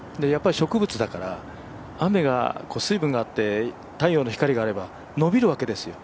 植物だから雨が水分があって、太陽の光があれば伸びるわけですよ。